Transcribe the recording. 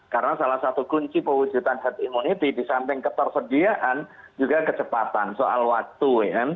karena salah satu kunci pewujudan herd immunity di samping ketersediaan juga kecepatan soal waktu